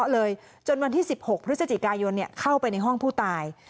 เลยจนวันที่๑๖พฤศจิกายนเข้าไปในห้องผู้ตาย